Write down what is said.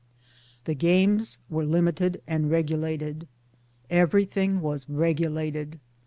The games were limited and regulated. Everything was regulated.